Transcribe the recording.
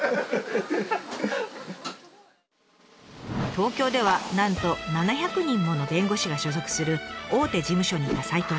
東京ではなんと７００人もの弁護士が所属する大手事務所にいた齋藤さん。